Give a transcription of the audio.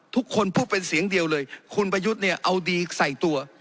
ทุกคนพูดเป็นเสียงเดียวเลยคุณประยุทธ์เนี่ยเอาดีใส่ตัว